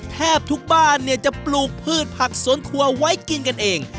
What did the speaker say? แทบทุกบ้านเนี่ยจะปลูกพืชผักสวนครัวไว้กินกันเอง